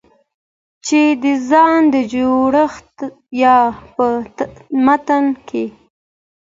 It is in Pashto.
چې د ځان د جوړښت يا په متن کې